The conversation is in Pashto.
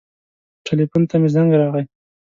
ټیلیفون ته مې زنګ راغی.